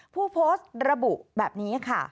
ผู้โพสต์ระบุแบบนี้ค่ะ